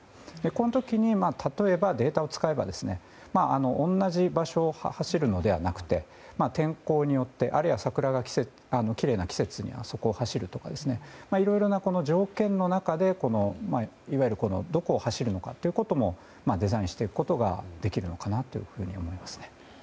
この時に例えばデータを使えば同じ場所を走るのではなくて天候によって、あるいは桜がきれいな季節にはそこを走るとかいろいろな条件の中でいわゆるどこを走るのかということもデザインしていくことができるのかなと思いますね。